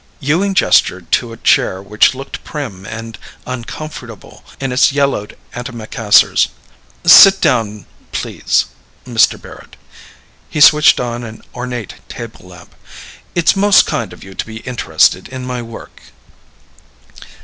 Ewing gestured to a chair which looked prim and uncomfortable in its yellowed antimacassars. "Sit down, please, Mr. Barrett." He switched on an ornate table lamp. "It's most kind of you to be interested in my work."